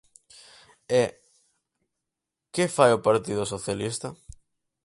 E ¿que fai o Partido Socialista?